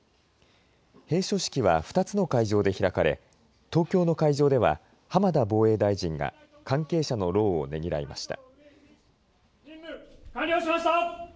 閉所式は２つの会場で開かれ東京の会場では浜田防衛大臣が関係者の労をねぎらいました。